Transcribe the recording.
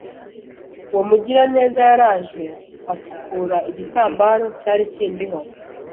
uwo mugiraneza yraje amfukura igitambaro cyari kindiho